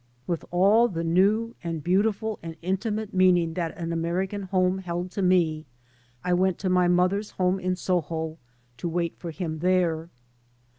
With all the new and beautiful and intimate meaning that an American home held to me I went to my mother's home in Soho to wait for him there.